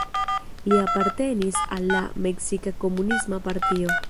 Li apartenis al la Meksika Komunisma Partio.